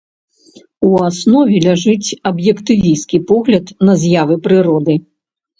У аснове ляжыць аб'ектывісцкі погляд на з'явы прыроды.